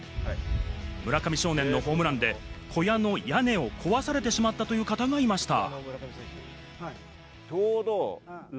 村上少年のホームランで小屋の屋根を壊されてしまったという方がいました。